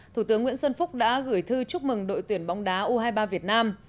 thủ tướng nguyễn xuân phúc đã gửi thư chúc mừng đội tuyển bóng đá u hai mươi ba việt nam